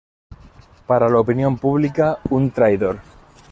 Para la opinión pública, un traidor.